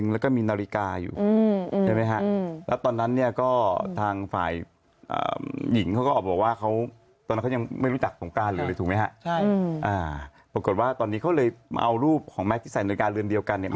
เนี่ยมันมันก็บอกว่าเป็นพลาดอินเทอร์เนตพี่นม